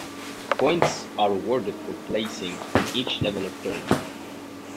Points are awarded for placing in each level of tournament.